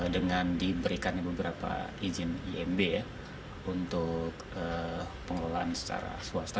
dengan diberikan beberapa izin imb untuk pengelolaan secara swasta